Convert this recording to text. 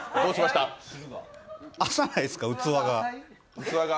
浅ないすか、器が。